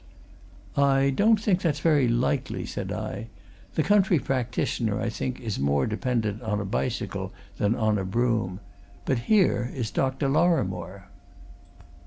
"I don't think that's very likely," said I. "The country practitioner, I think, is more dependent on a bicycle than on a brougham. But here is Dr. Lorrimore."